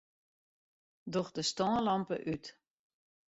Doch de stânlampe út.